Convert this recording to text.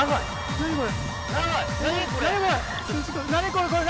何これ？